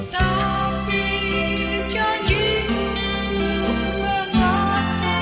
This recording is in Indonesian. tapi janjimu mengatakan aku